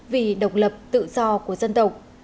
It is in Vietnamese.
vì độc lập tự do của dân tộc